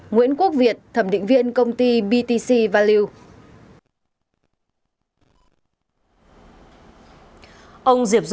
chín nguyễn quốc việt thẩm định viện công ty btc values